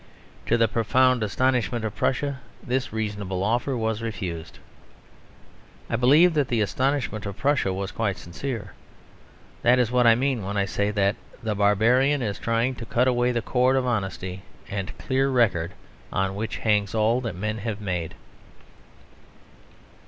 To the profound astonishment of Prussia, this reasonable offer was refused! I believe that the astonishment of Prussia was quite sincere. That is what I mean when I say that the Barbarian is trying to cut away that cord of honesty and clear record, on which hangs all that men have made.